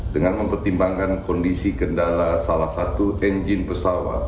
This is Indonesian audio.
dengan mempertimbangkan kondisi kendala salah satu engine pesawat